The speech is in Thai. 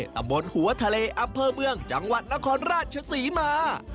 ตำบลหัวทะเลอำเภอเมืองจังหวัดนครราชศรีมา